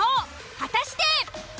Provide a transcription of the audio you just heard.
果たして。